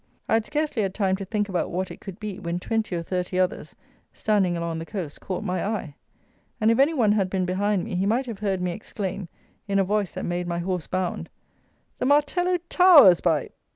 I had scarcely had time to think about what it could be when twenty or thirty others, standing along the coast, caught my eye; and, if any one had been behind me, he might have heard me exclaim, in a voice that made my horse bound, "The Martello Towers by